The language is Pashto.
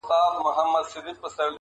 چي په خوب کي او په ویښه مي لیدله -